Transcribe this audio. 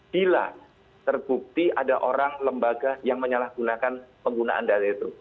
bila terbukti ada orang lembaga yang menyalahgunakan penggunaan data itu